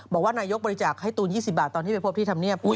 บอกว่านายกบริจาคให้ตูน๒๐บาทตอนที่ไปพบที่ธรรมเนียบ